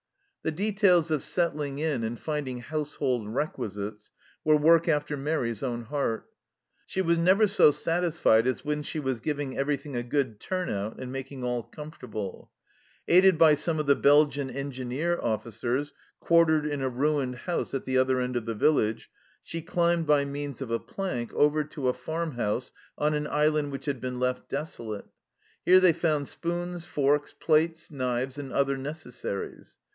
The details of settling in and finding household requisites were work after Mairi's own heart. She was never so satisfied as when she was giving everything a " good turn out " and making all com fortable ! Aided by some of the Belgian Engineer officers, quartered in a ruined house at the other end of the village, she climbed by means of a plank over to a farm house on an island which had been left desolate. Here they found spoons, forks, plates, knives, and other necessaries.